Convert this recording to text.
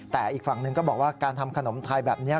แต่อีกฝั่งหนึ่งก็บอกว่าการทำขนมไทยแบบนี้